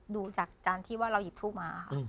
ดูจากจานที่ว่าเราหยิบทูบมาค่ะ